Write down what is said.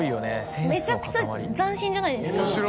めちゃくちゃ斬新じゃないですか？